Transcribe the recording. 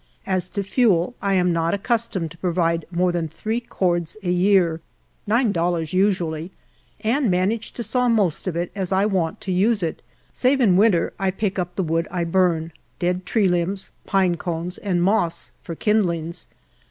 As to fuel, 1 am not accustomed to provide more than three cords a year, nine dollars usually, and manage to saw most of it as I want to use it ; save in winter, I pick up the wood I burn — dead tree limbs, pine cones, and moss for kindlings.